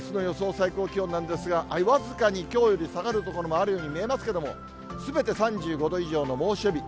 最高気温なんですが、僅かにきょうより下がる所もあるように見えますけれども、すべて３５度以上の猛暑日。